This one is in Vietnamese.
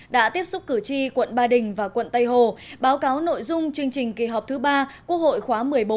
đã tiếp xúc cử tri quận ba đình và quận tây hồ báo cáo nội dung chương trình kỳ họp thứ ba quốc hội khóa một mươi bốn